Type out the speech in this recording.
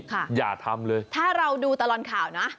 อย่าทำเลยถ้าเราดูตลอดข่าวนะ